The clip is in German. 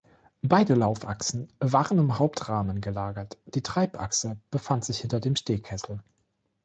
Beide Laufachsen waren im Hauptrahmen gelagert, die Treibachse befand sich hinter dem Stehkessel.